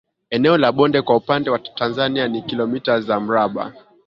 Eneo la bonde kwa upande wa Tanzania ni kilometa za mraba